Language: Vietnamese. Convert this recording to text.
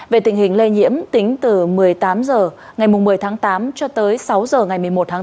về tình hình lây nhiễm tính từ một mươi tám h ngày một mươi tháng tám cho tới sáu h ngày một mươi một tháng tám